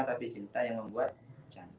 tapi cinta yang membuat cantik